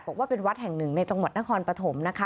บอกว่าเป็นวัดแห่งหนึ่งในจังหวัดนครปฐมนะคะ